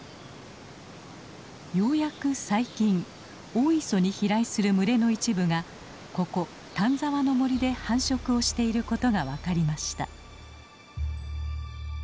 ようやく最近大磯に飛来する群れの一部がここ丹沢の森で繁殖をしていることが分かりました。